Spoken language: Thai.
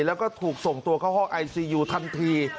แล้วก็ถูกส่งตัวเข้าห้องไอซียูทันที